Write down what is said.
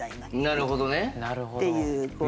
なるほど！